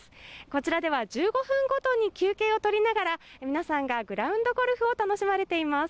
こちらでは１５分ごとに休憩を取りながら皆さんがグラウンドゴルフを楽しまれています。